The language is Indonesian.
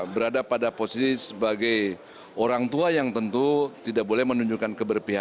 berada pada posisi sebagai orang tua yang tentu tidak boleh menunjukkan keberpihakan